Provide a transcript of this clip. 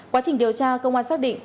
quá trình điều tra công an xác định